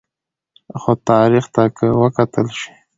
خو تاریخ ته که وکتل شي